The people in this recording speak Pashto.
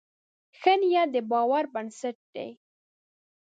ښه نیت د باور بنسټ دی.